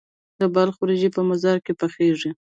د بلخ وریجې په مزار کې پخیږي.